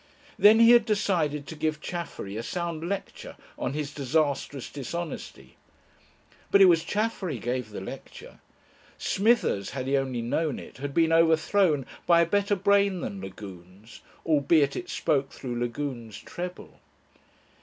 Then he had decided to give Chaffery a sound lecture on his disastrous dishonesty. But it was Chaffery gave the lecture. Smithers, had he only known it, had been overthrown by a better brain than Lagune's, albeit it spoke through Lagune's treble.